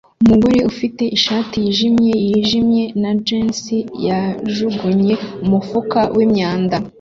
Umugore ufite ishati yijimye yijimye na jans yajugunye umufuka wimyanda